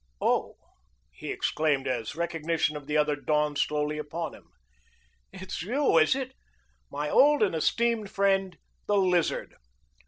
"Oh!" he exclaimed as recognition of the other dawned slowly upon him. "It's you, is it? My old and esteemed friend, the Lizard."